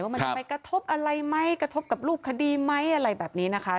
มันจะไปกระทบอะไรไหมกระทบกับรูปคดีไหมอะไรแบบนี้นะคะ